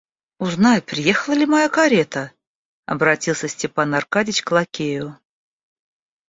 Узнай, приехала ли моя карета, — обратился Степан Аркадьич к лакею.